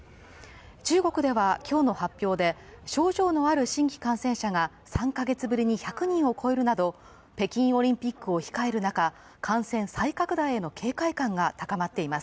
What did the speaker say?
中国では今日の発表で症状のある新規感染者が３カ月ぶりに１００人を超えるなど北京オリンピックを控える中感染再拡大への警戒感が高まっています。